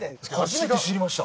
初めて知りました！